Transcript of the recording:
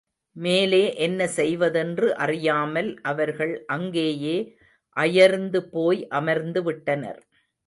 மேலே என்ன செய்வதென்று அறியாமல் அவர்கள் அங்கேயே அயர்ந்துபோய் அமர்ந்து விட்டனர்.